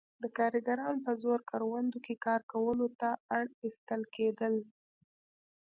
دا کارګران په زور کروندو کې کار کولو ته اړ ایستل کېدل.